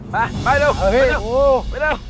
ไปไปเร็วไปเร็ว